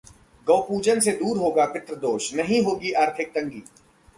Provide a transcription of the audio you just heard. गौ पूजन से दूर होगा पितृदोष, नहीं होगी आर्थिक तंगी